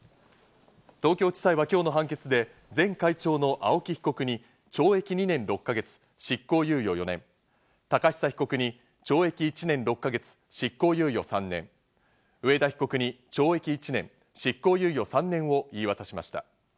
東京地裁は今日の判決で前会長の青木被告に懲役２年６か月、執行猶予４年、寶久被告に懲役１年６か月、執行猶予３年、上田被告に懲役１年、執行猶予３年を言い渡しました。